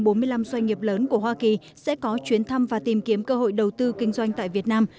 doanh nghiệp lớn của hoa kỳ sẽ có chuyến thăm và tìm kiếm cơ hội đầu tư kinh doanh tại việt nam